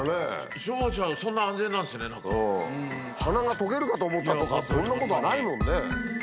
消防車そんな安全なんですね中ね。鼻が溶けるかと思ったとかそんなことはないもんね。